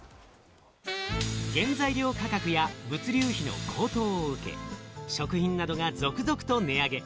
原材料価格や物流費の高騰を受け、食品などが続々と値上げ。